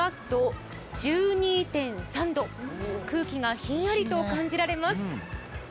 空気がひんやりと感じられます。